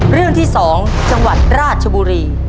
เรื่องที่๒จังหวัดราชบุรี